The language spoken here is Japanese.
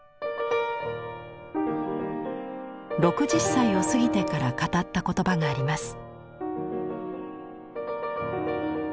６０歳を過ぎてから語った言葉があります。